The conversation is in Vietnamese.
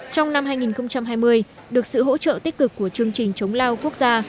trong năm hai nghìn hai mươi được sự hỗ trợ tích cực của chương trình chống lao quốc gia